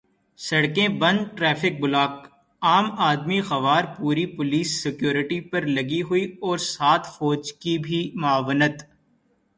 سڑکیں بند، traffic block, عام آدمی خوار، پوری پولیس سکیورٹی پہ لگی ہوئی اور ساتھ فوج کی بھی معاونت۔